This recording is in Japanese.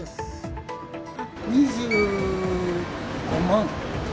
２５万。